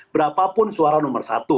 berapapun suara nomor satu